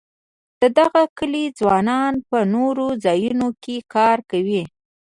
د دغه کلي ځوانان په نورو ځایونو کې کار کوي.